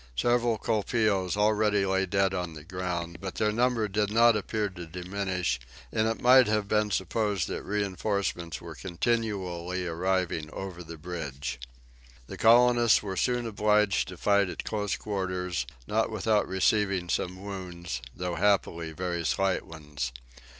Several colpeos already lay dead on the ground, but their number did not appear to diminish, and it might have been supposed that reinforcements were continually arriving over the bridge. The colonists were soon obliged to fight at close quarters, not without receiving some wounds, though happily very slight ones.